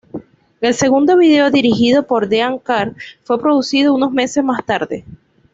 El segundo video, dirigido por Dean Karr, fue producido unos meses más tarde.